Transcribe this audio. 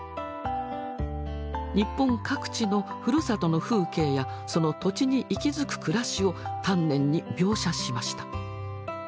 日本各地のふるさとの風景やその土地に息づく暮らしを丹念に描写しました。